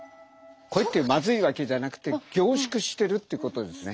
濃いってまずいわけじゃなくて凝縮してるってことですね。